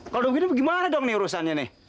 kalau begini gimana dong urusannya nih